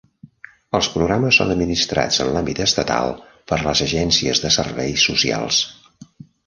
Els programes són administrats en l'àmbit estatal per les agències de serveis socials.